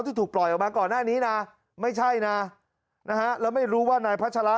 ที่ถูกปล่อยออกมาก่อนหน้านี้นะไม่ใช่นะนะฮะแล้วไม่รู้ว่านายพัชระ